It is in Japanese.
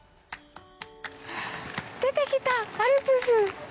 出てきた、アルプス！